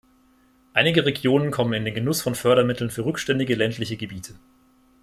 Einige Regionen kommen in den Genuß von Fördermitteln für rückständige ländliche Gebiete.